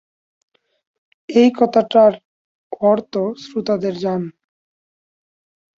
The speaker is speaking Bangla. এই কথাটির অর্থ শ্রোতাদের যান।